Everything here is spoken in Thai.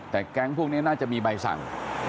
แต่แก๊งพวกนี้น่าจะมีใบสั่ง